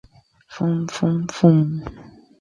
Fum, fum, fum.